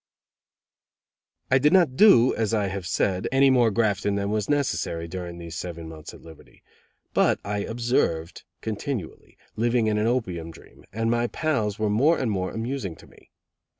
I did not do, as I have said, any more grafting than was necessary during these seven months of liberty; but I observed continually, living in an opium dream, and my pals were more and more amusing to me.